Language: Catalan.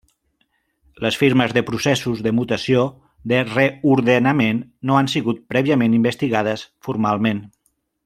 Les firmes de processos de mutació de reordenament no han sigut prèviament investigades formalment.